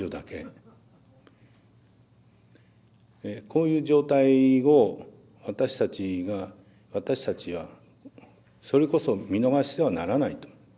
こういう状態を私たちが私たちはそれこそ見逃してはならないと。